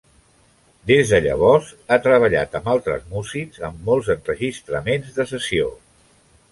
Des de llavors, ha treballat amb altres músics en molts enregistraments de sessió.